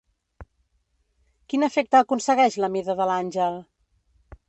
Quin efecte aconsegueix la mida de l'àngel?